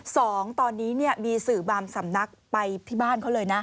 สองตอนนี้เนี่ยมีสื่อบางสำนักไปที่บ้านเขาเลยนะ